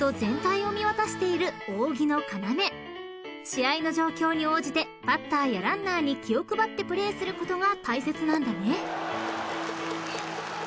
［試合の状況に応じてバッターやランナーに気を配ってプレーすることが大切なんだね］